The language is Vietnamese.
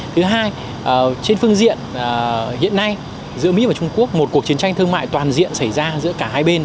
thứ hai trên phương diện hiện nay giữa mỹ và trung quốc một cuộc chiến tranh thương mại toàn diện xảy ra giữa cả hai bên